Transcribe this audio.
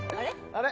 あれ？